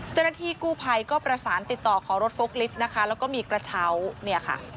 เจ้าหน้าที่กู้ภัยก็ประสานติดต่อขอรถฟกลิฟต์นะคะแล้วก็มีกระเช้าเนี่ยค่ะ